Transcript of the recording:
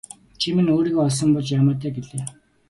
Чи минь өөрийгөө олсон бол яамай даа гэлээ.